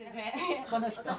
この人。